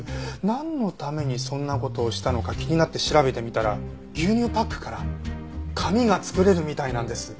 なんのためにそんな事をしたのか気になって調べてみたら牛乳パックから紙が作れるみたいなんです。